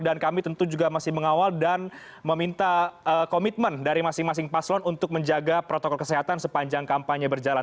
dan kami tentu juga masih mengawal dan meminta komitmen dari masing masing paslon untuk menjaga protokol kesehatan sepanjang kampanye berjalan